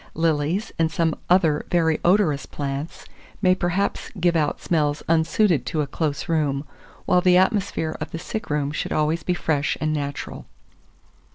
Lilies, and some other very odorous plants, may perhaps give out smells unsuited to a close room, while the atmosphere of the sick room should always be fresh and natural.